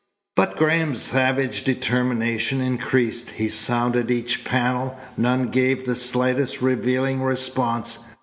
But Graham's savage determination increased. He sounded each panel. None gave the slightest revealing response.